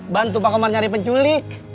bantu pak komar nyari penculik